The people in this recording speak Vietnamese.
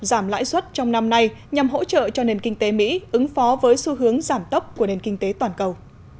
giảm lãi suất trong năm nay nhằm hỗ trợ cho nền kinh tế mỹ ứng phó với xu hướng giảm tốc của nền kinh tế toàn cầu